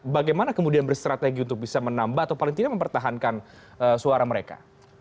bagaimana kemudian bersrategi untuk bisa menambah atau paling tidak mempertahankan suara mereka